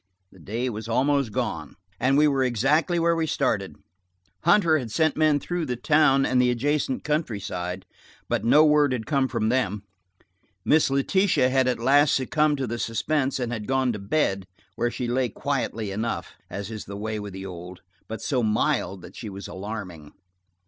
The day was almost gone, and we were exactly where we started. Hunter had sent men through the town and the adjacent countryside, but no word had come from them. Miss Letitia had at last succumbed to the suspense and had gone to bed, where she lay quietly enough, as is the way with the old, but so mild that she was alarming.